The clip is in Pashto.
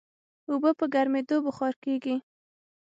اوبه په ګرمېدو بخار کېږي.